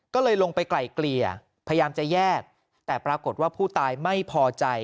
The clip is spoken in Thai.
ก็เลยลงไปไกลเกลี่ยพยายามจะแยกแต่ปรากฏว่าผู้ตายไม่พอใจ